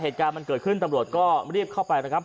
เหตุการณ์มันเกิดขึ้นตำรวจก็รีบเข้าไปนะครับ